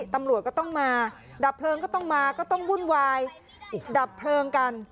ตำรวจก็ต้องมาดับเพลิงก็ต้องมาก็ต้องวุ่นวายดับเพลิงกัน